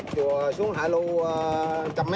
chùa xuống hạ lưu một trăm linh m